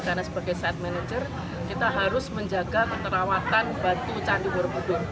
karena sebagai site manager kita harus menjaga keterawatan batu candi borobudur